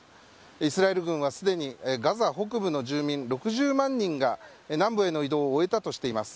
イスラエル軍はすでにガザ北部の住民６０万人が南部への移動を終えたとしています。